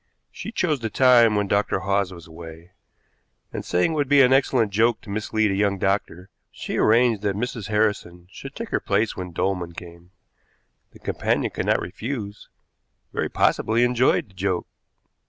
She chose the time when Dr. Hawes was away, and, saying it would be an excellent joke to mislead a young doctor, she arranged that Mrs. Harrison should take her place when Dolman came. The companion could not refuse, very possibly enjoyed the joke.